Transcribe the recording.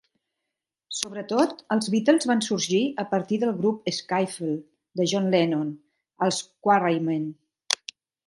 Sobretot, els Beatles van sorgir a partir del grup skiffle de John Lennon, els Quarrymen.